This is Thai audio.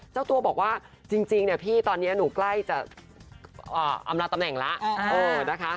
เจ้าตัวบอกว่าจริงพี่ตอนนี้หนูใกล้จะอำนาจตำแหน่งแล้ว